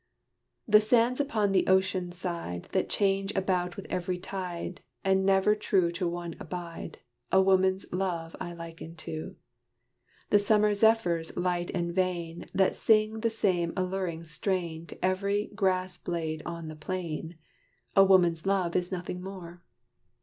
The sands upon the ocean side That change about with every tide, And never true to one abide, A woman's love I liken to. The summer zephyrs, light and vain, That sing the same alluring strain To every grass blade on the plain A woman's love is nothing more.